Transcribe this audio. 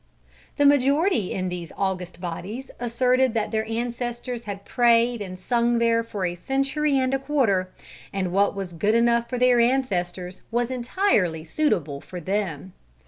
The majority in these august bodies asserted that their ancestors had prayed and sung there for a century and a quarter, and what was good enough for their ancestors was entirely suitable for them.